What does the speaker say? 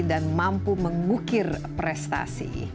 dan mampu mengukir prestasi